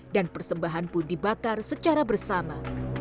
dan persembahan pun dibakar secara bersama